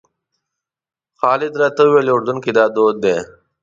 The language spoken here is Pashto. خالد راته وویل اردن کې دا دود دی.